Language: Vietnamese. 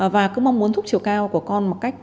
và cứ mong muốn thúc chiều cao của con một cách